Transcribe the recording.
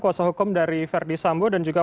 kuasa hukum dari verdi sambo dan juga